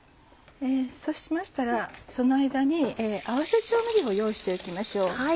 そうしましたらその間に合わせ調味料を用意しておきましょう。